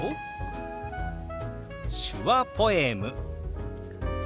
「手話ポエム」。